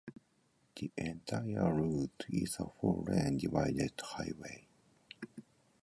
The entire route is a four-lane divided highway.